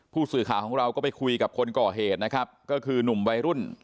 ผู้สื่อข่าวของเราก็ไปคุยกับคนก่อเหตุนะครับก็คือหนุ่มวัยรุ่น